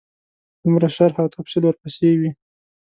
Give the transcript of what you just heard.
دومره شرح او تفصیل ورپسې وي.